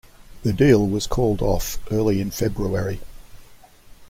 The deal was called off early in February.